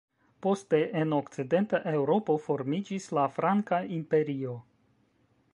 Poste en okcidenta Eŭropo formiĝis la franka imperio.